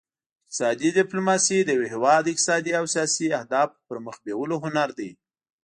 اقتصادي ډیپلوماسي د یو هیواد اقتصادي او سیاسي اهدافو پرمخ بیولو هنر دی